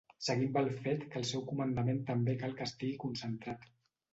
Seguí amb el fet que el seu comandament també cal que estigui concentrat.